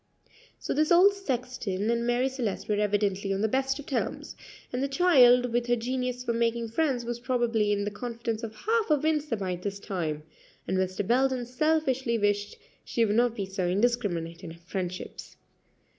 So this old sexton and Marie Celeste were evidently on the best of terms, and the child, with her genius for making friends, was probably in the confidence of half of Windsor by this time; and Mr. Belden selfishly wished she would not be so indiscriminate in her friendships.